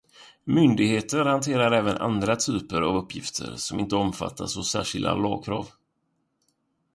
Myndigheter hanterar även andra typer av uppgifter som inte omfattas av särskilda lagkrav.